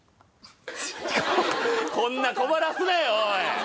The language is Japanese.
こんな困らすなよおい！